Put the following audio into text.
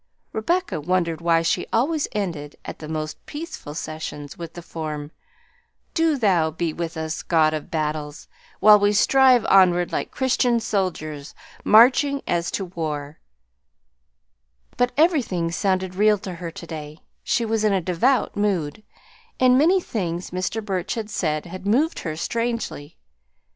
Rebecca wondered why she always ended, at the most peaceful seasons, with the form, "Do Thou be with us, God of Battles, while we strive onward like Christian soldiers marching as to war;" but everything sounded real to her to day, she was in a devout mood, and many things Mr. Burch had said had moved her strangely.